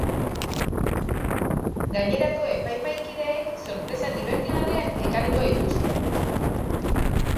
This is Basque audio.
Gainerako epaimahaikideek sorpresa dibertigarriak ekarriko dituzte.